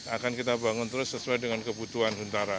akan kita bangun terus sesuai dengan kebutuhan huntara